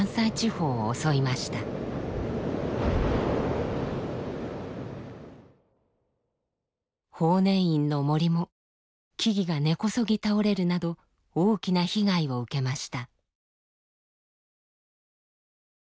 法然院の森も木々が根こそぎ倒れるなど大きな被害を受けました。